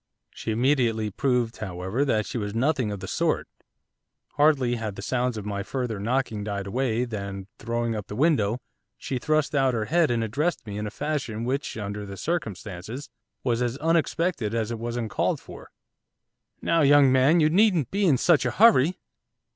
She immediately proved, however, that she was nothing of the sort. Hardly had the sounds of my further knocking died away than, throwing up the window, she thrust out her head and addressed me in a fashion which, under the circumstances, was as unexpected as it was uncalled for. 'Now, young man, you needn't be in such a hurry!